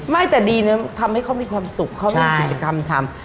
ไม่แต่ดีนะทำให้เขามีความสุขเขามีกิจกรรมทำ